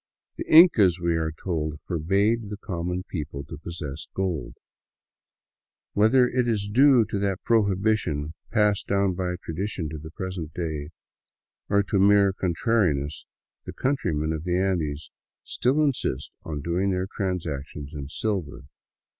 The Incas, we are told, forbade the com mon people to possess gold. Whether it is due to that prohibition, passed down by tradition to the present day, or to mere contrariness, the countrymen of the Andes still insist on doing their transactions in silver.